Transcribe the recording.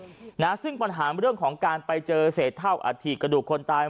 ที่วัดแห่งนี้นะซึ่งปัญหาเรื่องของการไปเจอเศษเท่าอาทิตย์กระดูกคนตาย